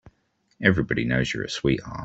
Everybody knows you're a sweetheart.